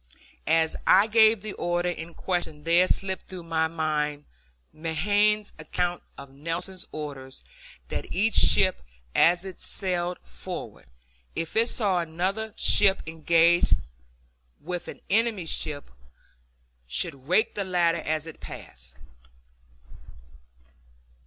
As I gave the order in question there slipped through my mind Mahan's account of Nelson's orders that each ship as it sailed forward, if it saw another ship engaged with an enemy's ship, should rake the latter as it passed.